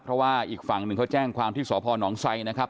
เพราะว่าอีกฝั่งหนึ่งเขาแจ้งความที่สพนไซนะครับ